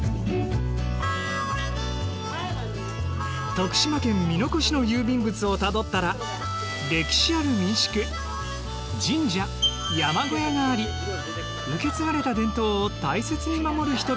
徳島県見ノ越の郵便物をたどったら歴史ある民宿神社山小屋があり受け継がれた伝統を大切に守る人々がいた。